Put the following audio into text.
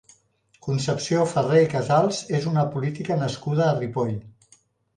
Concepció Ferrer i Casals és una política nascuda a Ripoll.